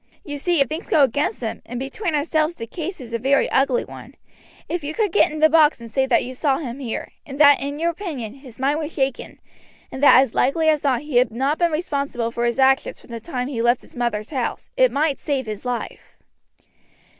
You see, if things go against him, and between ourselves the case is a very ugly one, if you could get in the box and say that you saw him here, and that, in your opinion, his mind was shaken, and that as likely as not he had not been responsible for his actions from the time he left his mother's house, it might save his life."